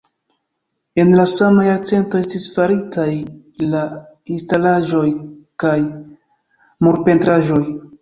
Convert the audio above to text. En la sama jarcento estis faritaj la instalaĵoj kaj murpentraĵoj.